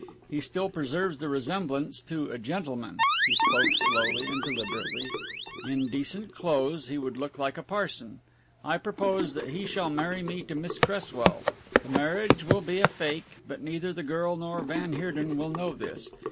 He still preserves the resemblance to a gentleman" he spoke slowly and deliberately; "in decent clothes he would look like a parson. I propose that he shall marry me to Miss Cresswell. The marriage will be a fake, but neither the girl nor van Heerden will know this.